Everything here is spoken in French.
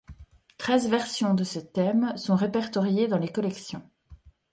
Treize versions de ce thème sont répertoriées dans les collections.